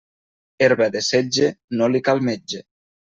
Herba de setge, no li cal metge.